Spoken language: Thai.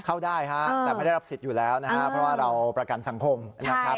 เข้าได้ฮะแต่ไม่ได้รับสิทธิ์อยู่แล้วนะฮะเพราะว่าเราประกันสังคมนะครับ